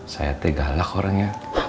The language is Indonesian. saya teh galak orangnya